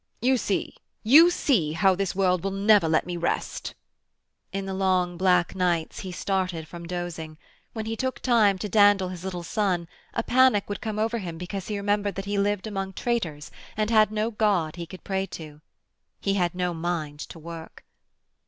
'You see, you see, how this world will never let me rest.' In the long, black nights he started from dozing. When he took time to dandle his little son a panic would come over him because he remembered that he lived among traitors and had no God he could pray to. He had no mind to work....